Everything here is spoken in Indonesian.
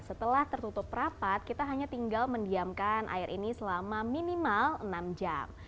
setelah tertutup rapat kita hanya tinggal mendiamkan air ini selama minimal enam jam